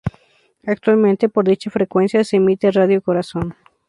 Actualmente, por dicha frecuencia se emite Radio Corazón.